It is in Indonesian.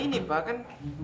ini pak kan